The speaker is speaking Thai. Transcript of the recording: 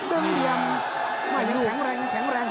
ดึงเหลี่ยมแข็งแรงแข็งแรง